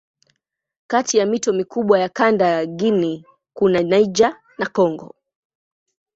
Kati ya mito mikubwa ya kanda Guinea kuna Niger na Kongo.